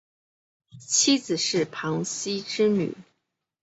妻子是庞羲之女。